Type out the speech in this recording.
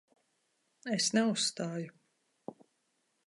Es neuzstāju.